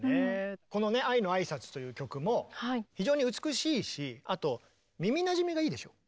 このね「愛のあいさつ」という曲も非常に美しいしあと耳なじみがいいでしょう。